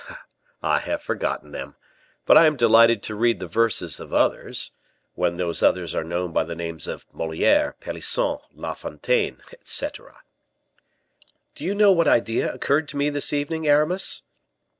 "I have forgotten them, but I am delighted to read the verses of others, when those others are known by the names of Moliere, Pelisson, La Fontaine, etc." "Do you know what idea occurred to me this evening, Aramis?"